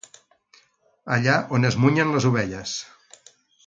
Allà on es munyen les ovelles.